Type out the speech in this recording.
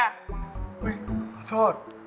เฮ้ยขอโทษ